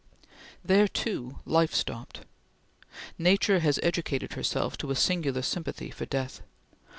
There, too, life stopped. Nature has educated herself to a singular sympathy for death.